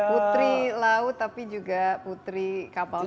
putri laut tapi juga putri kapal